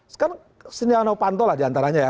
sekarang sinyalano panto lah diantaranya ya